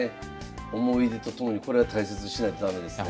思い出と共にこれは大切にしないと駄目ですね。